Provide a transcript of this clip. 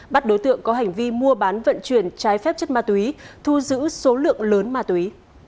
bắt đối tượng có hành vi mua bán vận chuyển trái phép chất ma túy thu giữ số lượng lớn ma túy